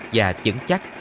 và chẩn chắc